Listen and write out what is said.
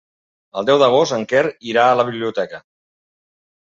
El deu d'agost en Quer irà a la biblioteca.